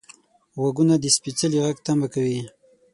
غوږونه د سپیڅلي غږ تمه کوي